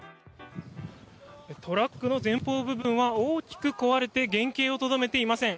トラックの前方部分は大きく壊れて原形をとどめていません。